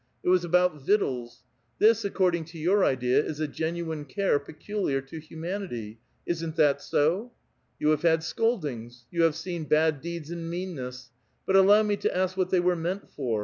It was about victuals. This, according to your idea, is a genuine care peculiar to humanity ; isn't that so? You have had scoldings, you have seen bad deeds and meanness; but allow me to ask what they were meant for?